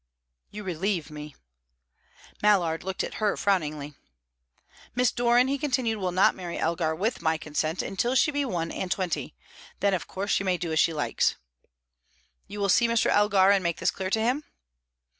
"You relieve me." Mallard looked at her frowningly. "Miss Doran," he continued, "will not marry Elgar with my consent until she be one and twenty. Then, of course, she may do as she likes." "You will see Mr. Elgar, and make this clear to him?"